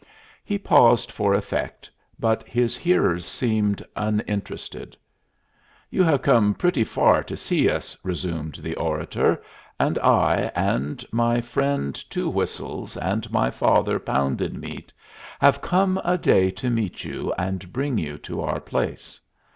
He paused for effect, but his hearers seemed uninterested. "You have come pretty far to see us," resumed the orator, "and I, and my friend Two Whistles, and my father, Pounded Meat, have come a day to meet you and bring you to our place.